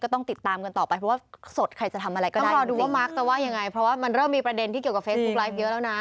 ก็ต้องติดตามกันต่อไปเพราะว่าสดใครจะทำอะไรก็ดายจริง